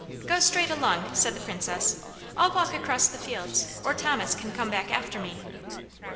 "Go straight along," said the Princess. "I'll walk across the fields, or Thomas can come back after me."